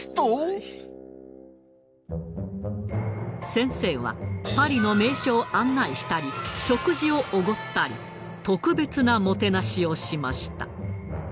先生はパリの名所を案内したり食事をおごったり特別なもてなしをしました。